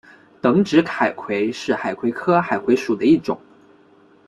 等指海葵是海葵科海葵属的一种。